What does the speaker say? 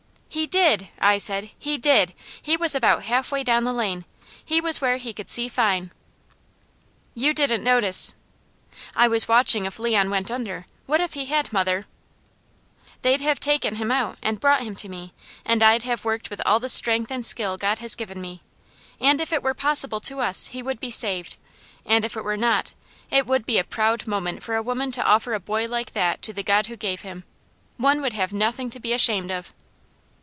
"He did!" I said. "He did! He was about halfway down the lane. He was where he could see fine." "You didn't notice ?" "I was watching if Leon went under. What if he had, mother?" "They'd have taken him out, and brought him to me, and I'd have worked with all the strength and skill God has given me, and if it were possible to us, he would be saved, and if it were not, it would be a proud moment for a woman to offer a boy like that to the God who gave him. One would have nothing to be ashamed of!"